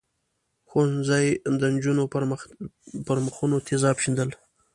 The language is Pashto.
ښوونځیو د نجونو پر مخونو تېزاب شیندل.